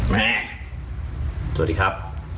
แม่สวัสดีครับ